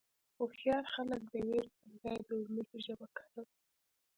هوښیار خلک د وېرې پر ځای د امید ژبه کاروي.